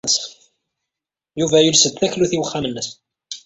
Yuba yules-d taklut i uxxam-nnes.